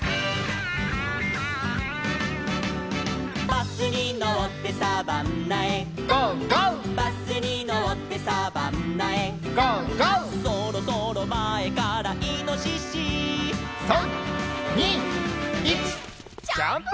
「バスにのってサバンナへ」「ゴーゴー」「バスにのってサバンナへ」「ゴーゴー」「そろそろまえからいのしし」「３、２、１ジャンプ」